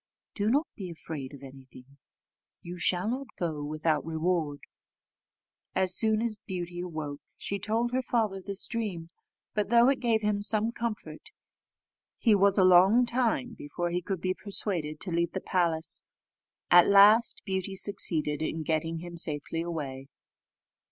Do not be afraid of anything; you shall not go without a reward." As soon as Beauty awoke, she told her father this dream; but though it gave him some comfort, he was a long time before he could be persuaded to leave the palace. At last Beauty succeeded in getting him safely away.